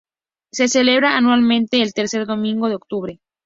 Se celebra anualmente, el tercer domingo de Octubre.